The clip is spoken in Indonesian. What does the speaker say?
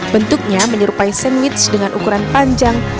bentuknya menyerupai sandwich dengan ukuran panjang